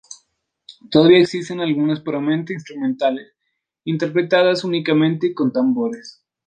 Todavía existen algunas puramente instrumentales, interpretadas únicamente con tambores.